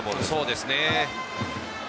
そうですね。